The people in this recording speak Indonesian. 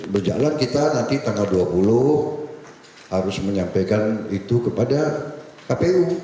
berjalan kita nanti tanggal dua puluh harus menyampaikan itu kepada kpu